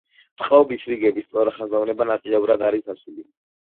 წყობის რიგების სწორხაზოვნება ნაწილობრივად არის დაცული.